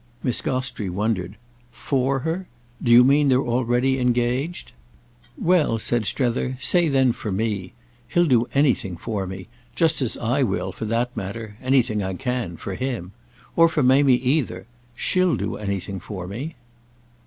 Miss Gostrey wondered. "'For' her? Do you mean they're already engaged?" "Well," said Strether, "say then for me. He'll do anything for me; just as I will, for that matter—anything I can—for him. Or for Mamie either. She'll do anything for me."